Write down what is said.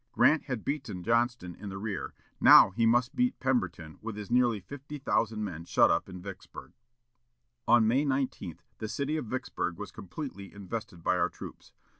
Grant had beaten Johnston in the rear; now he must beat Pemberton with his nearly fifty thousand men shut up in Vicksburg. On May 19, the city of Vicksburg was completely invested by our troops.